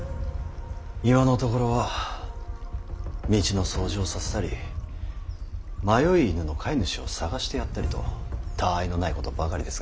今のところは道の掃除をさせたり迷い犬の飼い主を捜してやったりとたあいのないことばかりですが。